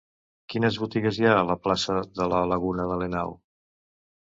Quines botigues hi ha a la plaça de la Laguna de Lanao?